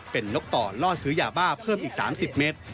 เป็นนกต่อล่อซื้อยาบ้าเพิ่มอีก๓๐เมตร